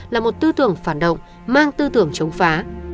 là một tư tưởng phản động mang tư tưởng chống phá